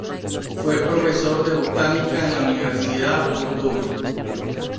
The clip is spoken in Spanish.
Fue profesor de botánica en la Universidad Purdue.